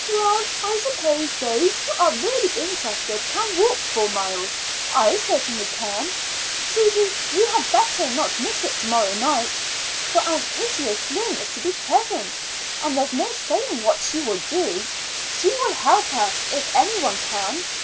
"Well, I suppose those who are really interested can walk four miles. I certainly can. Susy, you had better not miss it to morrow night, for Aunt Katie O'Flynn is to be present, and there's no saying what she will do. She will help us if any one can.